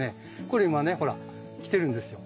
これ今ねほら来てるんですよ。